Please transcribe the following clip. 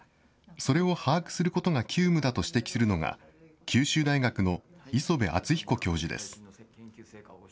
それを把握することが急務だと指摘するのが、九州大学の磯辺篤彦教授です。